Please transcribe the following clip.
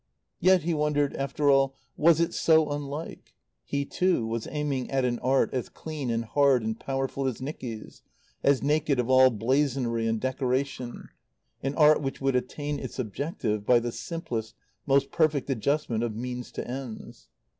Yet, he wondered, after all, was it so unlike? He, too, was aiming at an art as clean and hard and powerful as Nicky's, as naked of all blazonry and decoration, an art which would attain its objective by the simplest, most perfect adjustment of means to ends.